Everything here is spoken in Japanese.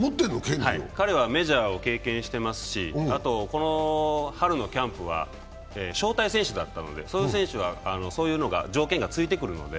彼はメジャーを経験してますし、春のキャンプは招待選手だったので、その選手はそういう条件がついてくるので。